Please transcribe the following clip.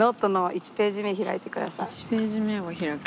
１ページ目を開く。